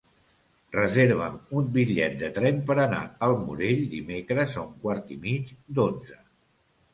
Reserva'm un bitllet de tren per anar al Morell dimecres a un quart i mig d'onze.